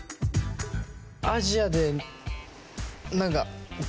アジアでなんか。